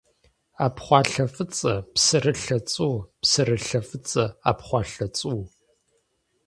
Ӏэпхъуалъэ фӏыцӏэ, псырылъэ цӏу, псырылъэ фӏыцӏэ, ӏэпхъуалъэ цӏу.